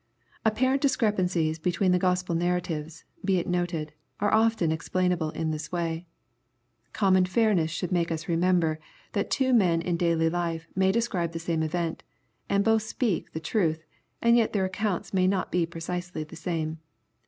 Apparent discrepancies between the Gospel narratives, be it noted, are often explainable in this way. Common fairness should make us remember that two men in daily life may describe the same event, and both speak the truth, and yet their accounts may not be precisely the same.